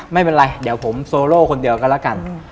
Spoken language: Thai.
ไม่เป็นไรเดี๋ยวผมโซโล่คนเดียวกันแล้วกัน